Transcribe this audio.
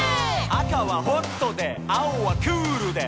「あかはホットであおはクールで」